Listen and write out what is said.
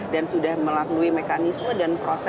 dan sudah melakui mekanisme dan proses